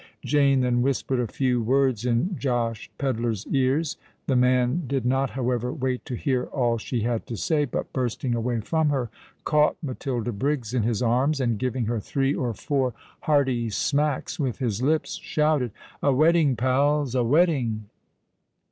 Jane then whispered a few words in Josh Pedler's ears: the man did not, however, wait to hear all she had to say; but, bursting away from her, caught Matilda Briggs in his arms, and, giving her three or four hearty smacks with his lips, shouted, "A wedding, pals! a wedding!"